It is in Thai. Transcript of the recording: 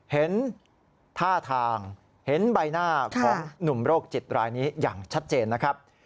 เห็นท่าทางเห็นใบหน้าของหนุ่มโรคจิตรายนี้อย่างชัดเจนนะครับ